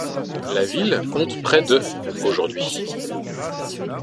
La ville compte près de aujourd'hui.